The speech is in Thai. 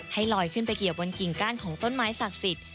ลอยขึ้นไปเกี่ยวบนกิ่งก้านของต้นไม้ศักดิ์สิทธิ